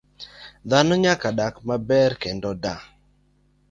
Dhano nyalo dak maber kendo da